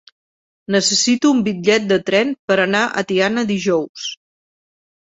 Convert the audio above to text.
Necessito un bitllet de tren per anar a Tiana dijous.